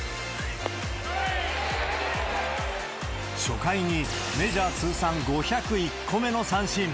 初回にメジャー通算５０１個目の三振。